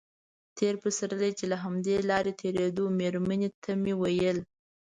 تېر پسرلی چې له همدې لارې تېرېدو مېرمنې ته مې ویل.